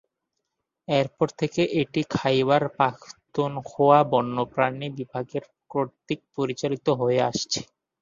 এরপর থেকে এটি খাইবার পাখতুনখোয়া বন্যপ্রাণী বিভাগের কর্তৃক পরিচালিত হয়ে আসছে।